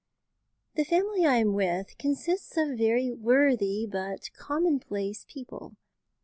"The family I am with consists of very worthy but commonplace people.